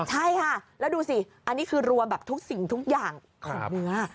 ใช่ค่ะแล้วดูสิอันนี้คือรวมแบบทุกสิ่งทุกอย่างของเนื้อ